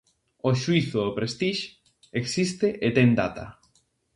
O xuízo do "Prestixe" existe e ten data.